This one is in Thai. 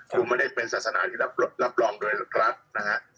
คุณไม่ได้เป็นศาสนาที่รับรองโดยรัฐนะฮะ